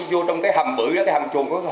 vô trong cái hầm bự cái hầm chuồng